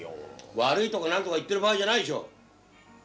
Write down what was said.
悪いとか何とか言ってる場合じゃないでしょう。